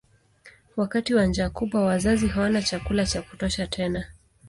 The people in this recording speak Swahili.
Wakati wa njaa kubwa wazazi hawana chakula cha kutosha tena.